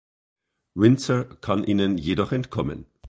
Windsor kann ihnen jedoch entkommen.